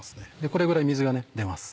これぐらい水が出ます。